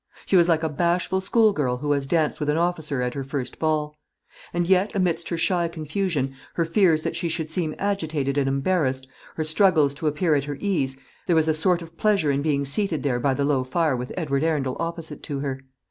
She was like a bashful schoolgirl who has danced with an officer at her first ball. And yet amidst her shy confusion, her fears that she should seem agitated and embarrassed, her struggles to appear at her ease, there was a sort of pleasure in being seated there by the low fire with Edward Arundel opposite to her.